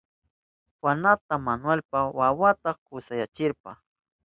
Juanaka Manuelpa wawanta kusayachirka.